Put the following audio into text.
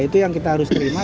itu yang kita harus terima